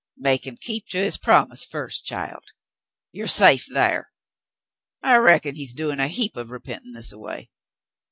"Make him keep to his promise first, child. Yuer safe thar. I reckon he's doin' a heap o' repentin' this a way.